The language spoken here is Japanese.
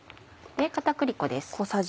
片栗粉です。